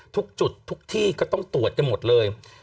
ทุกจุดทุกที่ก็ต้องตรวจกันหมดเลย